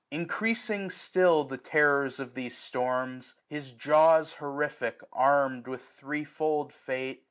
Increasing still the terrors of these storms. His jaws horrific arm*d with threefold fate.